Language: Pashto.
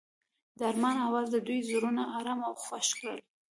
د آرمان اواز د دوی زړونه ارامه او خوښ کړل.